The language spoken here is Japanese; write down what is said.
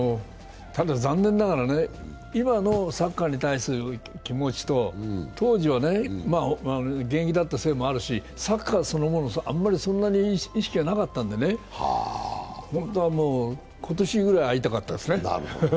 残念ながらね、今のサッカーに対する気持ちと、当時は現役だったせいもあるし、サッカーそのものにあまりそんなに意識はなかったんでね、本当は今年ぐらい会いたかったですね。